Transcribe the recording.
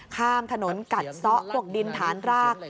ข้ามถนนกัดซะพวกดินฐานราก